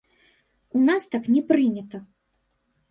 У нас так не прынята!